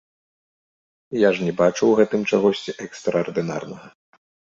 Я ж не бачу ў гэтым чагосьці экстраардынарнага.